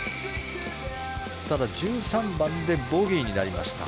ただ１３番でボギーになりました。